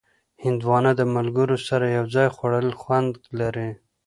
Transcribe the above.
هندوانه د ملګرو سره یو ځای خوړل خوند لري.